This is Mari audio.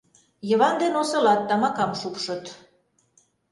Йыван ден Осылат тамакам шупшыт.